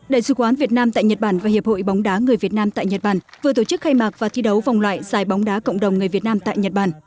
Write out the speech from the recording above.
đại sứ quán việt nam tại nhật bản và hiệp hội bóng đá người việt nam tại nhật bản vừa tổ chức khai mạc và thi đấu vòng loại giải bóng đá cộng đồng người việt nam tại nhật bản